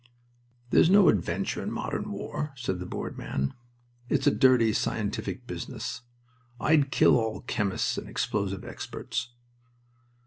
"There's no adventure in modern war," said the bored man. "It's a dirty scientific business. I'd kill all chemists and explosive experts."